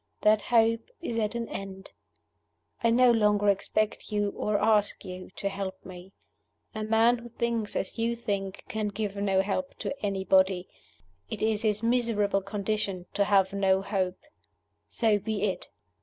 That hope is at an end. I no longer expect you, or ask you, to help me. A man who thinks as you think can give no help to anybody it is his miserable condition to have no hope. So be it!